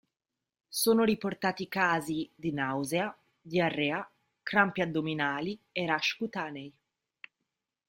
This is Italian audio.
Sono riportati casi di nausea, diarrea, crampi addominali e rash cutanei.